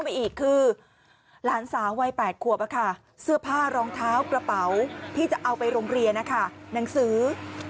ไม่ยับเลยเหรอฮือ